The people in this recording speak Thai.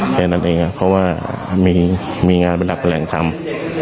แค่นั้นเองเพราะว่ามีงานเป็นหลักแหล่งทำ